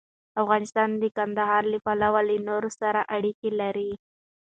افغانستان د کندهار له پلوه له نورو سره اړیکې لري.